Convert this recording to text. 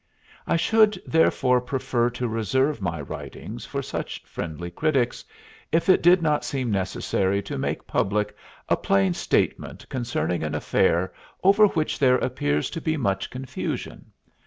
I should therefore prefer to reserve my writings for such friendly critics, if it did not seem necessary to make public a plain statement concerning an affair over which there appears to be much confusion.